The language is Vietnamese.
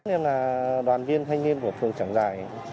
em là đoàn viên thanh niên của phường trảng giài